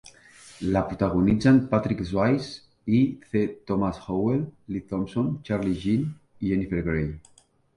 La protagonitzen Patrick Swayze, C. Thomas Howell, Lea Thompson, Charlie Sheen i Jennifer Grey.